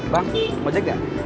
bang mau jak gak